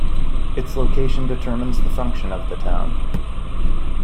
Its location determines the function of the town.